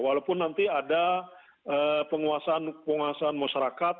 walaupun nanti ada penguasaan penguasaan masyarakat